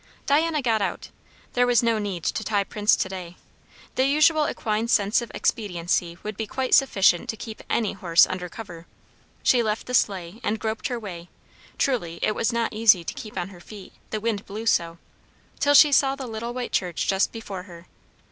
Diana got out. There was no need to tie Prince to day. The usual equine sense of expediency would be quite sufficient to keep any horse under cover. She left the sleigh, and groped her way truly it was not easy to keep on her feet, the wind blew so till she saw the little white church just before her.